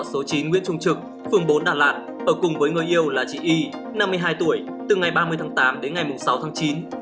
số chín nguyễn trung trực phường bốn đà lạt ở cùng với người yêu là chị y năm mươi hai tuổi từ ngày ba mươi tháng tám đến ngày sáu tháng chín